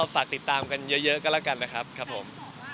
ฝากติดตามกันเยอะก็ละกัน